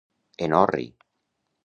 En orri.